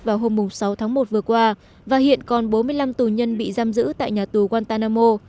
vào hôm sáu tháng một vừa qua và hiện còn bốn mươi năm tù nhân bị giam giữ tại nhà tù wantanamo